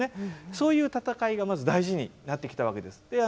そういう戦いがまず大事になってきたわけです。